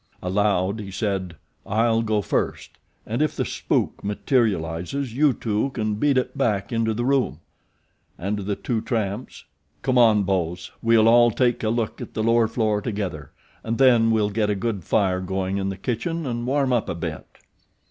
Aloud, he said: "I'll go first, and if the spook materializes you two can beat it back into the room." And to the two tramps: "Come on, boes, we'll all take a look at the lower floor together, and then we'll get a good fire going in the kitchen and warm up a bit."